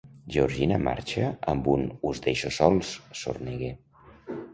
Georgina marxa amb un «us deixo sols» sorneguer.